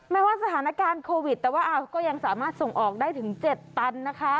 แม้ว่าสถานการณ์โควิดแต่ว่าก็ยังสามารถส่งออกได้ถึง๗ตันนะคะ